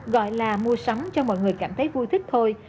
gọi là mua sắm cho mọi người cảm thấy vui thích thôi